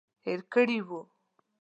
هېر کړي وو.